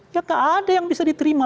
ya tak ada yang bisa diterima